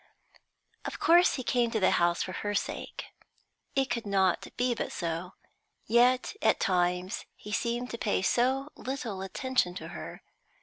Of course he came to the house for her sake; it could not but be so; yet at times he seemed to pay so little attention to her.